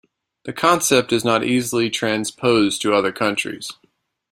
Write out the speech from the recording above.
The concept is not easily transposed to other countries.